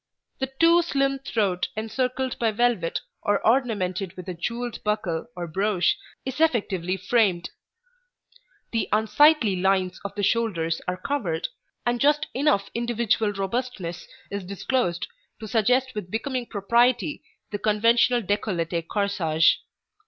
The too slim throat encircled by velvet or ornamented with a jewelled buckle or brooch is effectively framed. The unsightly lines of the shoulders are covered, and just enough individual robustness is disclosed to suggest with becoming propriety the conventional décolleté corsage.